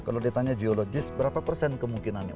kalau ditanya geologis berapa persen kemungkinannya